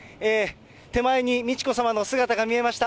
手前に美智子さまの姿が見えました。